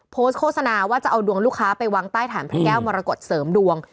โฆษณาว่าจะเอาดวงลูกค้าไปวางใต้ฐานพระแก้วมรกฏเสริมดวง